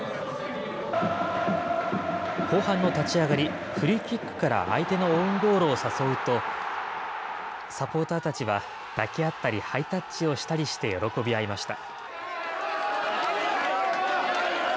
後半の立ち上がり、フリーキックから相手のオウンゴールを誘うと、サポーターたちは、抱き合ったりハイタッチをしたりして喜び合いました。